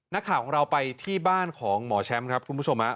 นักข่าวของเราไปที่บ้านของหมอแชมป์ครับคุณผู้ชม